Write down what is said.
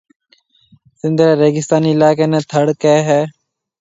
سنڌ رَي ريگستاني علائقيَ نيَ ٿر ڪيَ ھيََََ